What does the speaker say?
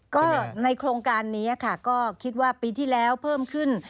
ก็ในโครงการนี้ค่ะก็คิดว่าปีที่แล้วเพิ่มขึ้น